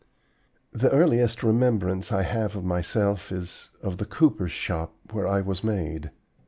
"The earliest remembrance I have of myself is of the cooper's shop where I was made.